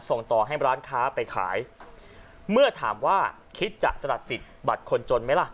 ส่งต่อให้ร้านค้าไปขายเมื่อถามว่าคิดจะสลัดสิทธิบัตรคนจนไหมล่ะ